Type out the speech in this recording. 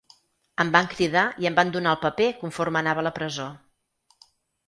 Em van cridar i em van donar el paper conforme anava a la presó.